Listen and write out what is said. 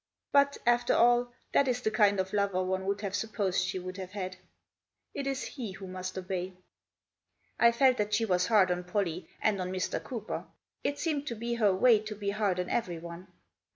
But, after all, that is the kind of lover one would have supposed she would have had. It is he who must obey." I felt that she was hard on Pollie, and on Mr. Cooper. It seemed to be her way to be hard on everyone.